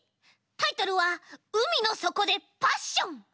タイトルは「海のそこでパッション」。